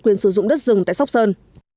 quyền sử dụng đất rừng tại sóc sơn